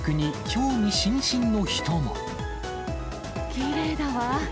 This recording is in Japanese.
きれいだわ。